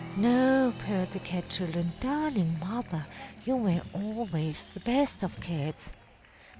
"'No,' purred the cat children, 'darling mother, you were always the best of cats.'